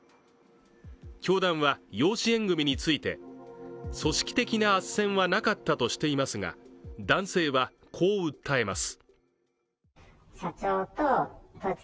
教団は養子縁組について、組織的なあっせんはなかったとしていますが男性はこう訴えます。